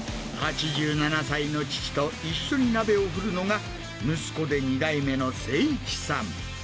８７歳の父と一緒に鍋を振るのが、息子で２代目の誠一さん。